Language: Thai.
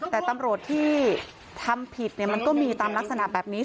แต่ตำรวจที่ทำผิดมันก็มีตามลักษณะแบบนี้